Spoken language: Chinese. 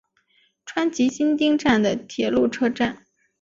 川崎新町站的铁路车站。